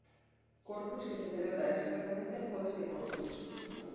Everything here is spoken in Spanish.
Corpus que se celebra exactamente el Jueves de Corpus.